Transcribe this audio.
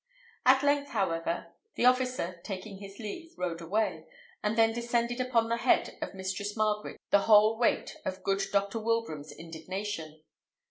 At length, however, the officer, taking his leave, rode away, and then descended upon the head of Mistress Margaret the whole weight of good Dr. Wilbraham's indignation.